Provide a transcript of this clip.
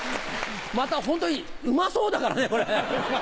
またホントにうまそうだからねこれ。